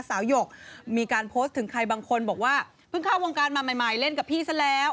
หยกมีการโพสต์ถึงใครบางคนบอกว่าเพิ่งเข้าวงการมาใหม่เล่นกับพี่ซะแล้ว